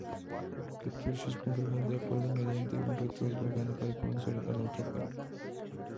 Kęstutis confirmó el acuerdo mediante un ritual pagano para convencer a la otra parte.